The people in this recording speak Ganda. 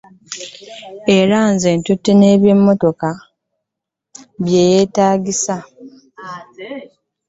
Era ze zaatutte n'ebimmotoka bya ttiyaggaasi.